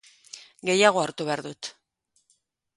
Gehiago hartu behar dut